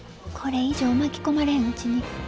これ以上巻き込まれんうちに。